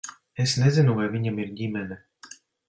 Es nezinu, vai viņam ir ģimene.